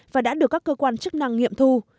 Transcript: và đã được các cơ quan chức năng nghiệm thu